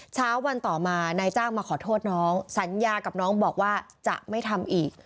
เช้าวันต่อมานายจ้างมาขอโทษน้องสัญญากับน้องบอกว่าจะไม่ทำอีก